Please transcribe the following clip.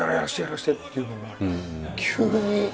っていうのが急に。